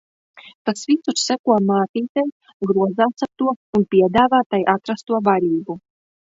Tas visur seko mātītei, grozās ap to un piedāvā tai atrasto barību.